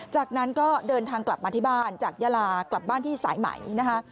จากนั้นก็เดินทางกลับมาที่บ้านจากยาลากลับบ้านที่สายใหม่นะคะ